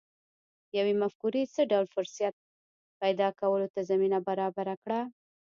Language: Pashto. یوې مفکورې څه ډول فرصت پیدا کولو ته زمینه برابره کړه